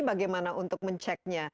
bagaimana untuk menceknya